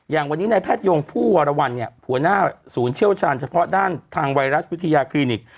อย่างวันนี้ในแพทยงผู้วรวรรณเนี่ยหัวหน้าศูนย์เชี่ยวชาญเฉพาะด้านทางไวรัสวิทยาคลินิก